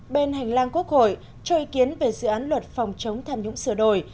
bên hành lang quốc hội cho ý kiến về dự án luật phòng chống tham nhũng sửa đổi